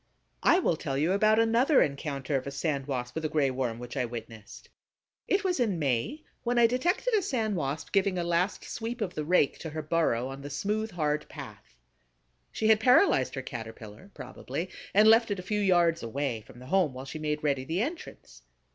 I will tell you about another encounter of a Sand Wasp with a Gray Worm which I witnessed. It was in May, when I detected a Sand Wasp giving a last sweep of the rake to her burrow, on the smooth, hard path. She had paralyzed her Caterpillar, probably, and left it a few yards away from the home while she made ready the entrance.